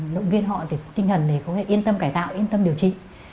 động viên họ tinh thần để yên tâm cải tạo yên tâm điều trị